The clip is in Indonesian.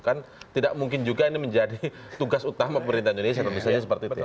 kan tidak mungkin juga ini menjadi tugas utama pemerintahan indonesia kalau misalnya seperti itu